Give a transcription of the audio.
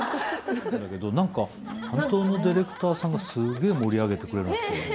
何か担当のディレクターさんがすげえ盛り上げてくれるんすよ。